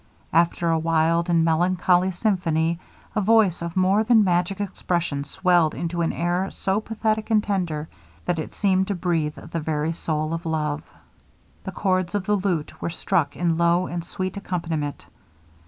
After a wild and melancholy symphony, a voice of more than magic expression swelled into an air so pathetic and tender, that it seemed to breathe the very soul of love. The chords of the lute were struck in low and sweet accompaniment.